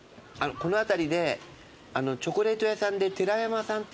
この辺りでチョコレート屋さんでてら山さんっていう。